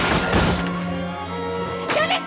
やめて！